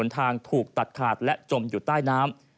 ทางถูกตัดขาดและจมอยู่ใต้น้ำ